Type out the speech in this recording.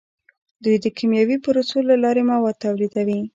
دوی د کیمیاوي پروسو له لارې مواد تولیدوي.